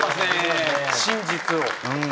真実を。